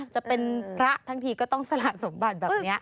จะเป็นพระทั้งทีก็ต้องสละสมบัติแบบนี้